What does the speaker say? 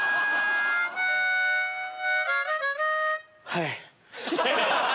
はい。